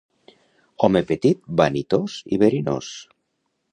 Home petit, vanitós i verinós.